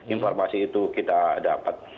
informasi itu kita dapat